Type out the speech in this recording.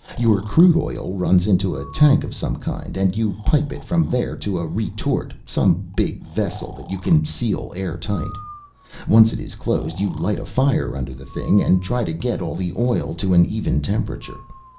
Your crude oil runs into a tank of some kind, and you pipe it from there to a retort, some big vessel that you can seal airtight. Once it is closed you light a fire under the thing and try to get all the oil to an even temperature.